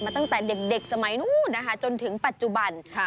ตั้งแต่เด็กสมัยนู้นนะคะจนถึงปัจจุบัน